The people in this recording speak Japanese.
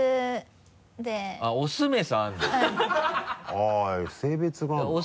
あぁ性別があるんだ。